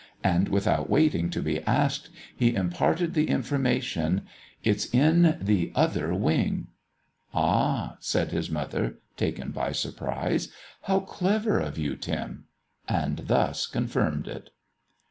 And without waiting to be asked, he imparted the information: "It's in the Other Wing." "Ah!" said his mother, taken by surprise. "How clever of you, Tim!" and thus confirmed it.